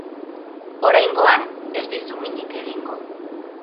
Oraingoan ez dizu minik egingo.